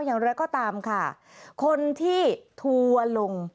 อย่างไรก็ตามค่ะคนที่ทัวร์ลง